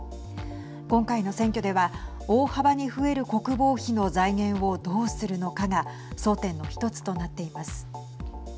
今回の選挙では大幅に増える国防費の財源をどうするのかが争点の一つとなっています。